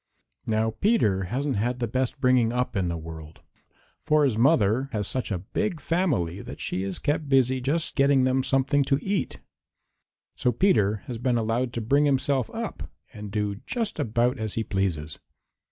Now Peter hasn't had the best bringing up in the world, for his mother has such a big family that she is kept busy just getting them something to eat. So Peter has been allowed to bring himself up and do just about as he pleases.